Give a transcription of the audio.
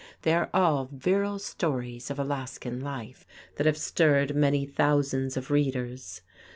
They are all virile stories of Alaskan life that have stirred many thousands of readers.